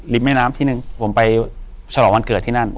กุมารพายคือเหมือนกับว่าเขาจะมีอิทธิฤทธิ์ที่เยอะกว่ากุมารทองธรรมดา